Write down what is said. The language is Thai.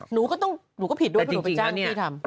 หนูก็ผิดด้วยถ้าหนูไปจ้างพี่ทำ